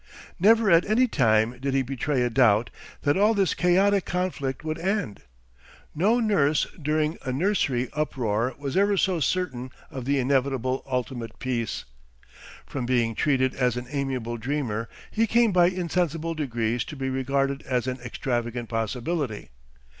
Never at any time did he betray a doubt that all this chaotic conflict would end. No nurse during a nursery uproar was ever so certain of the inevitable ultimate peace. From being treated as an amiable dreamer he came by insensible degrees to be regarded as an extravagant possibility.